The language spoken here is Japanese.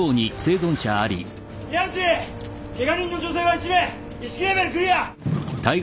宮内けが人の女性は１名意識レベルクリア！